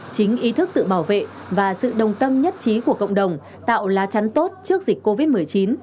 chính ý thức tự bảo vệ và sự đồng tâm nhất trí của cộng đồng tạo lá chắn tốt trước dịch covid một mươi chín